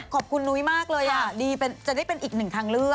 ขอบคุณนุ้ยมากเลยดีจะได้เป็นอีกหนึ่งทางเลือก